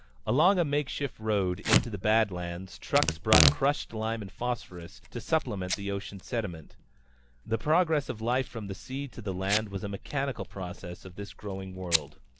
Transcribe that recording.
Along a makeshift road into the badlands trucks brought crushed lime and phosphorus to supplement the ocean sediment. The progress of life from the sea to the land was a mechanical process of this growing world.